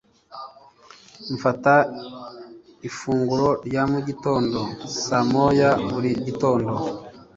Mfata ifunguro rya mu gitondo saa moya buri gitondo.